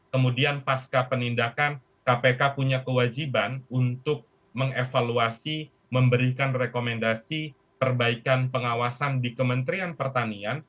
kemudian pasca penindakan kpk punya kewajiban untuk mengevaluasi memberikan rekomendasi perbaikan pengawasan di kementerian pertanian